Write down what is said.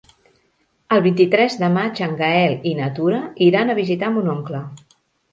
El vint-i-tres de maig en Gaël i na Tura iran a visitar mon oncle.